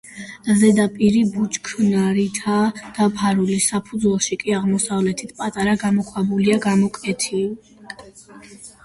ზედაპირი ბუჩქნარითაა დაფარული, საფუძველში კი აღმოსავლეთით პატარა გამოქვაბულია გამოკვეთილი.